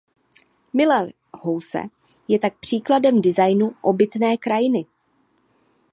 Miller House je tak příkladem designu obytné krajiny.